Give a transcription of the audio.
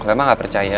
gue emang gak percaya